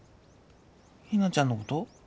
ひなちゃんのこと？